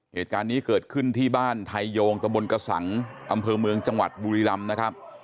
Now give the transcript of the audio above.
เหตุการณ์นี้เกิดขึ้นที่บ้านไทยโยงตะบนกระสังอำเภอเมืองจังหวัดบุรีรำนะครับ